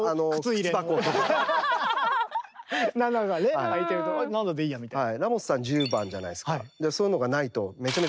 ７がね空いてると７でいいやみたいな。